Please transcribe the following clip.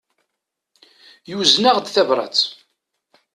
Yuzen-aɣ-d tabrat.